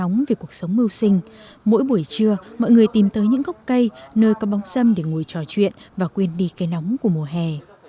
nóng vì cuộc sống mưu sinh mỗi buổi trưa mọi người tìm tới những góc cây nơi có bóng xâm để ngồi trò chuyện và quên đi cái nóng của mùa hè